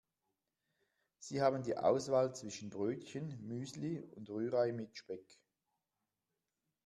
Sie haben die Auswahl zwischen Brötchen, Müsli und Rührei mit Speck.